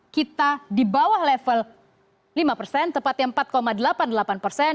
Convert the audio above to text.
dua ribu lima belas kita di bawah level lima persen tepatnya empat delapan puluh delapan persen